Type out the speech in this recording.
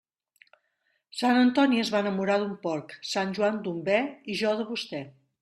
Sant Antoni es va enamorar d'un porc; Sant Joan, d'un be, i jo de vostè.